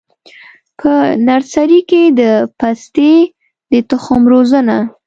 په نرسري کي د پستې د تخم روزنه: